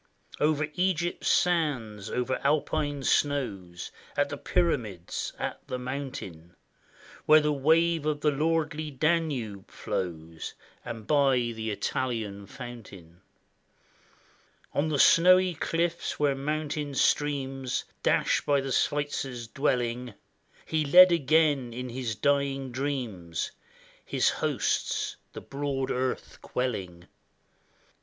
Over Egypt's sands, over Alpine snows, At the Pyramids, at the mountain, Where the wave of the lordly Danube flows. And by the Italian fountain; On the snowy cliffs, where mountain streams Dash by the Switzer's dwelling. He led again, in his dying dreams, His hosts, the broad earth quelling.